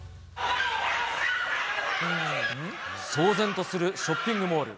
騒然とするショッピングモール。